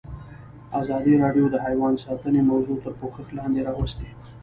ازادي راډیو د حیوان ساتنه موضوع تر پوښښ لاندې راوستې.